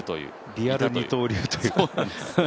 リアル二刀流という。